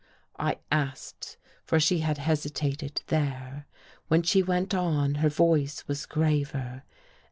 I asked, for she had hesitated there. When she went on, her voice was graver.